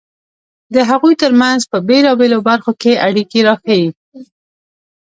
د هغوی ترمنځ په بېلابېلو برخو کې اړیکې راښيي.